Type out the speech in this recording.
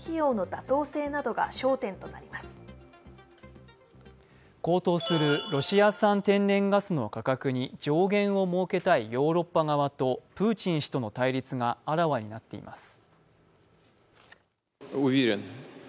高騰するロシア産天然ガスの価格に上限を設けたいヨーロッパ側とプーチン氏との対立があらわになっています。